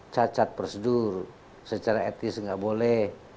cacat prosedur secara etis nggak boleh